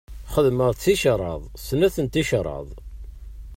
Xedmeɣ-d ticraḍ, snat n tecraḍ.